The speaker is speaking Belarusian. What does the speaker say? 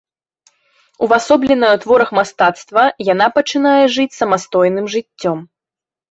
Увасобленая ў творах мастацтва, яна пачынае жыць самастойным жыццём.